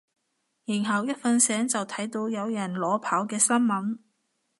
然後一瞓醒就睇到有人裸跑嘅新聞